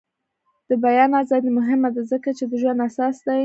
د بیان ازادي مهمه ده ځکه چې د ژوند اساس دی.